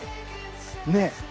ねえ。